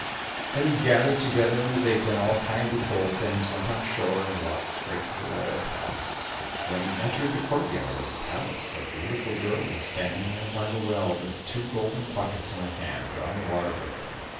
Then he gathered together in his apron all kinds of gold things, went on shore and walked straight to the royal palace. When he entered the courtyard of the palace, a beautiful girl was standing there by the well with two golden buckets in her hand, drawing water with them.